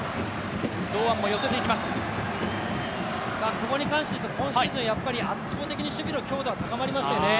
久保に関していうと今シーズン、圧倒的に守備の強度は高まりましたよね。